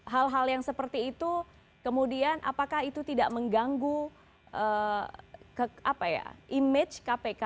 hal hal yang seperti itu kemudian apakah itu tidak mengganggu image kpk